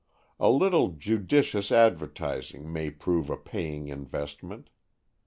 A little judicious advertising may prove a paying investment.